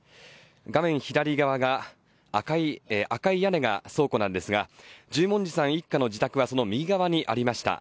画面左側が、赤い屋根が倉庫なんですが十文字さん一家の自宅はその右側にありました。